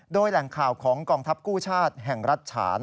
โดยแหล่งข่าวของกองทัพกู้ชาติแห่งรัฐฉาน